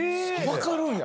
わかるんや。